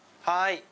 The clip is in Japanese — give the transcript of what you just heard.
はい。